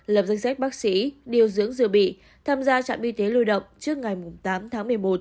lập danh sách bác sĩ điều dưỡng dự bị tham gia trạm y tế lưu động trước ngày tám tháng một mươi một